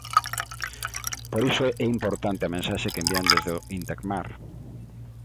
Por iso é importante a mensaxe que envían desde o Intecmar.